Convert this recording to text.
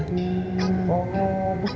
oh begitu pak ustadz